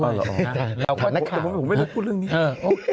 ผมไม่ได้พูดเรื่องนี้